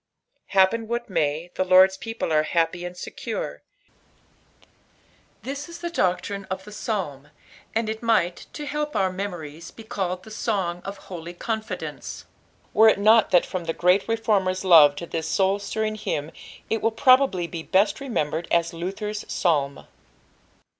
— Happen what may, the Lord" a people art happy and secure, this is the doctrine qfthe PsalTn. and it might, to Aefp our metTiories, be eddied Tbe Sono or Eolx Confuishce , were U 7V)t that from Iht great reformer's tooe to this soul stirriiig hymnit wiUprt^iably be best remembered as Lcthbb'b Fsiui.